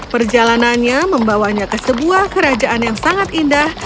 perjalanannya membawanya ke sebuah kerajaan yang sangat indah